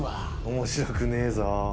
面白くねえぞ。